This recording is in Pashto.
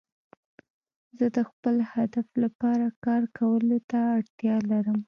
زه د خپل هدف لپاره کار کولو ته اړتیا لرم.